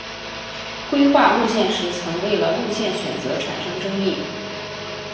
规划路线时曾为了路线选择产生争议。